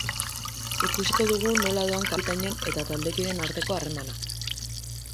Ikusiko dugu nola doan kapitainen eta taldekideen arteko harremana.